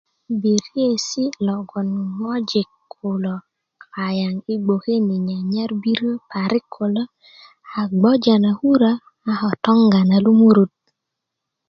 biresi logon ŋojik kulo kayaŋ yi bgoke ni nyarnyar birö parik kulo a gboja na kura a ko toŋga na lumurut